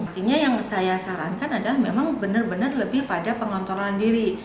artinya yang saya sarankan adalah memang benar benar lebih pada pengontrolan diri